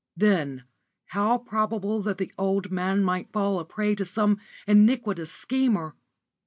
Then, how probable that the poor old man might fall a prey to some iniquitous schemer!